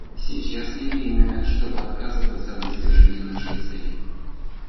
Сейчас не время, чтобы отказываться от достижения нашей цели.